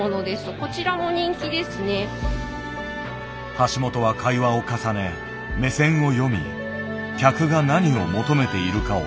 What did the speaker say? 橋本は会話を重ね目線を読み客が何を求めているかを探る。